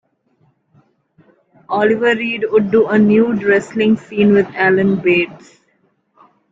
Oliver Reed would do a nude wrestling scene with Alan Bates.